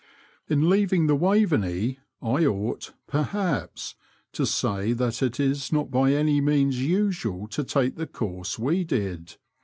In leaving the Waveney I ought, perhaps, to say that it is not by any means usual to take the course we did.